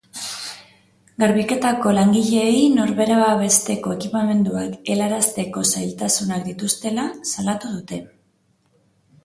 Garbiketako langileei norbera babesteko ekipamenduak helarazteko zailtasunak dituztela salatu dute.